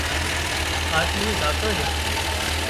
آۮمي زاتو ريو